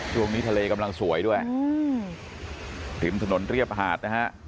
ช่วงนี้ทะเลกำลังสวยด้วยริมถนนเรียบหาดนะฮะ